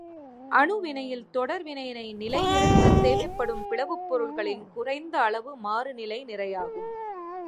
அணு வினையில் தொடர் வினையினை நிலை நிறுத்தத் தேவைப்படும் பிளவுப் பொருள்களின் குறைந்த அளவு மாறுநிலை நிறையாகும்.